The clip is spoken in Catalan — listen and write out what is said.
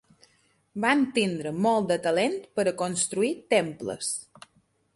Van tindre molt de talent per a construir temples.